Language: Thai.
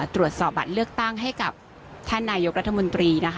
ตรวจสอบบัตรเลือกตั้งให้กับท่านนายกรัฐมนตรี